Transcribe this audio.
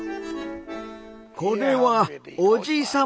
これは「おじいさん